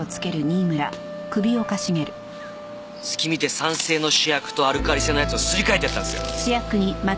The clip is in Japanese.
隙見て酸性の試薬とアルカリ性のやつをすり替えてやったんですよ。